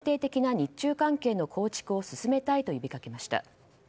建設的かつ安定的な日中関係の構築を進めたいと呼びかけました。